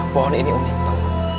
pohon ini unik tau